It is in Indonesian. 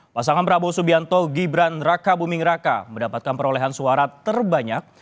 pasangan prabowo subianto gibran raka buming raka mendapatkan perolehan suara terbanyak